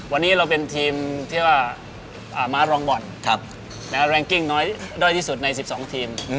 วันนี้เราเป็นทีมที่ว่าม้ารองบอลแรงกิ้งน้อยด้อยที่สุดใน๑๒ทีม